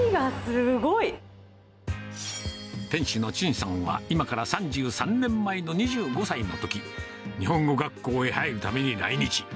店主の陳さんは、今から３３年前の２５歳のとき、日本語学校へ入るために来日。